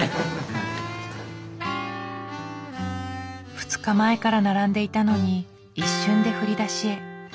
２日前から並んでいたのに一瞬で振り出しへ。